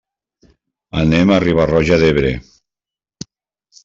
Anem a Riba-roja d'Ebre.